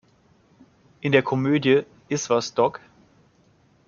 In der Komödie "Is’ was, Doc?